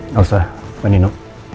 baiklah pak nino